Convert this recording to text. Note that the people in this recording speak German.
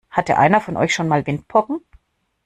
Hatte einer von euch schon mal Windpocken?